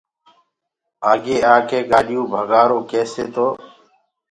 آگي آڪي گآڏيو ڀگآرو ڪيسي تو